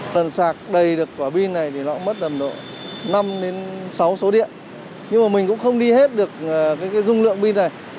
phần sạc đầy được quả pin này thì nó cũng mất tầm độ năm sáu số điện nhưng mà mình cũng không đi hết được cái dung lượng pin này